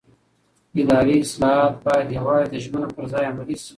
اداري اصلاحات باید یوازې د ژمنو پر ځای عملي شي